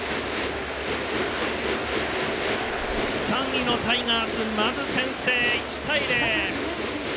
３位のタイガースまず先制、１対０。